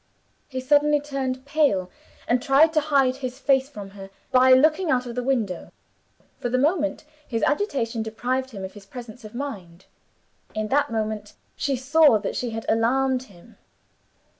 He suddenly turned pale and tried to hide his face from her by looking out of the window. For a moment, his agitation deprived him of his presence of mind. In that moment, she saw that she had alarmed him.